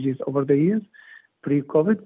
di seluruh tahun sebelum covid sembilan belas